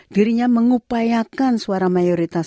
dirinya mengupayakan suara mayoritas